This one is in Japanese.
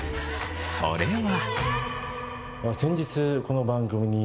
それは。